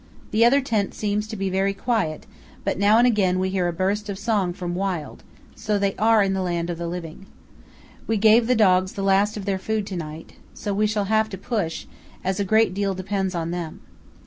The other tent seems to be very quiet, but now and again we hear a burst of song from Wild, so they are in the land of the living. We gave the dogs the last of their food to night, so we shall have to push, as a great deal depends on them."